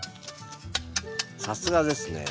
さすがですね。